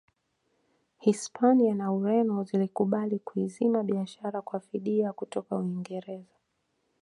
Hispania na Ureno zilikubali kuizima biashara kwa fidia kutoka Uingereza